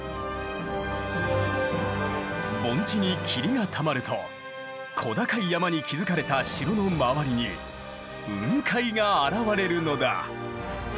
盆地に霧がたまると小高い山に築かれた城の周りに雲海が現れるのだ。